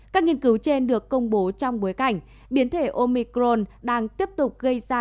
các nghiên cứu trên được công bố trong bối cảnh biến thể omicron đang tiếp tục gây ra